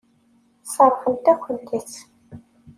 Sseṛɣent-akent-tt.